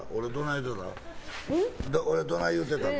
俺、どない言うてたの？